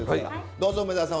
どうぞ梅沢さん